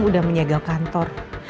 udah menjaga kantor